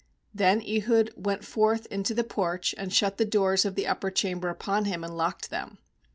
23Then Ehud went forth nto the porch, and shut the doors of the upper chamber upon him, and ocked them.